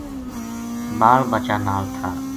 بال بچہ نال تھا